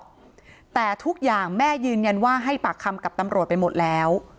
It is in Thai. แต่ทุกอย่างแม่ยืนยันว่าให้ปากคำกับตำรวจไปหมดแล้ว